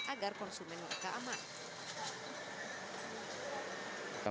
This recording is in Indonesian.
agar konsumen mereka aman